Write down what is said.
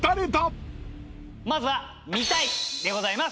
まずは見たい！でございます。